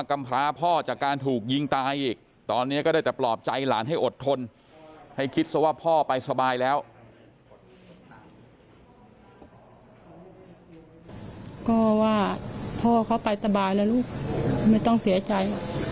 ก็ว่าพ่อเขาไปสบายแล้วลูกไม่ต้องเสียใจหรอก